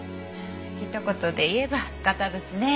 ひと言で言えば堅物ね。